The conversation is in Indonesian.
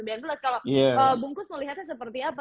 kalau bungkus melihatnya seperti apa